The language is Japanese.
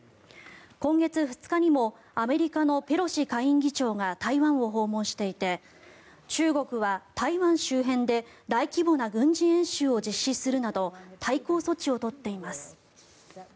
今月２日にもアメリカのペロシ下院議長が台湾を訪問していて中国は台湾周辺で大規模な軍事演習を実施するなど対抗措置を取っています。